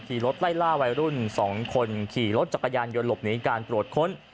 รถไล่ล่าวัยรุ่น๒คนขี่รถจักรยานยนต์หลบหนีการตรวจค้น